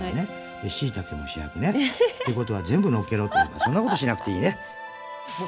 でしいたけも主役ね。っていうことは全部のっけろっていうかそんなことしなくていいね。